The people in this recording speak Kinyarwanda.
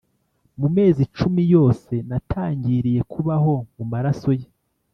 mu mezi cumi yose natangiriye kubaho mu maraso ye,